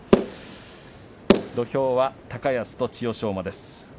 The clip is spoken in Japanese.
土俵は高安と千代翔馬です。